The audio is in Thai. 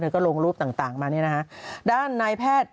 ก็ลงรูปต่างมานี่นะฮะ